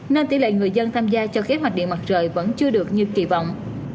nên tỷ lệ người dân tham gia cho kế hoạch điện mặt trời vẫn chưa được như kỳ vọng